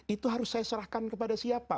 itu harus saya serahkan kepada siapa